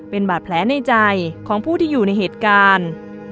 เป็นบาดแผลในใจของผู้ที่อยู่ในเหตุการณ์